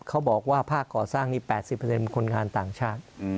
เขาบอกว่าภาคก่อสร้างนี้๘๐เป็นคนงานต่างชาติ